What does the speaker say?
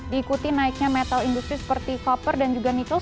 diikuti naiknya metal industri seperti copper dan juga nickel